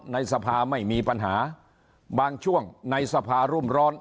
ในสภาไม่มีปัญหาบางช่วงในสภารุ่มร้อน